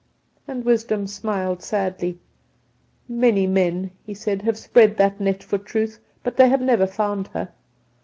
"And Wisdom smiled sadly. "'Many men,' he said, 'have spread that net for Truth; but they have never found her.